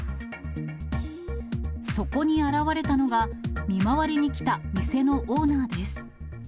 そこに現れたのが、見回りに来た店のオーナーです。